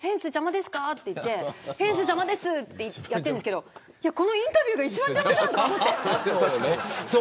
花火が上がっているとき報道陣がどうですかフェンス邪魔ですかって言ってフェンス邪魔ですってやってるんですけどこのインタビューが一番邪魔じゃんって。